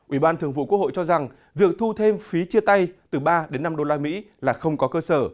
ủy ban thường vụ quốc hội cho rằng việc thu thêm phí chia tay từ ba đến năm usd là không có cơ sở